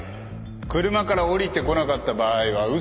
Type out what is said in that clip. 車から降りてこなかった場合は嘘をつけ。